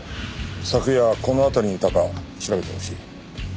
昨夜この辺りにいたか調べてほしい。